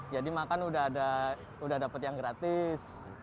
jadi makan udah ada udah dapet yang gratis